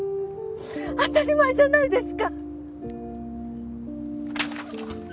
当たり前じゃないですか！